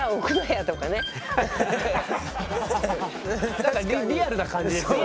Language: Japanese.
何かリアルな感じですよね。